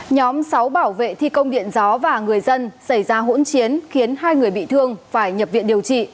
nhóm sáu bảo vệ thi công điện gió và người dân xảy ra hỗn chiến khiến hai người bị thương phải nhập viện điều trị